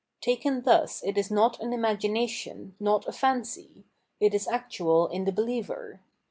* Taken thus it is not an imagination, not a fancy ; it is actual in the believer.